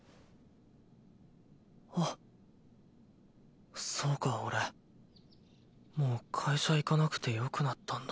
あっそうか俺もう会社行かなくてよくなったんだ。